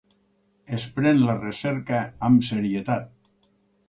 Es pren la recerca amb serietat.